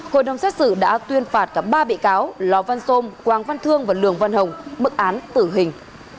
hội đồng xét xử đã tuyên phạt cả ba bị cáo lò văn sôm quang văn thương và lường văn hồng bức án tử hình